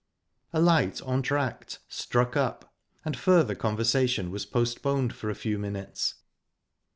A light entr'acte struck up, and further conversation was postponed for a few minutes.